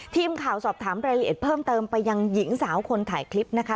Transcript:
ทีมข่าวสอบถามรายละเอียดเพิ่มเติมไปยังหญิงสาวคนถ่ายคลิปนะคะ